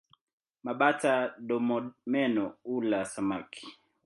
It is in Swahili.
Mabata-domomeno hula samaki.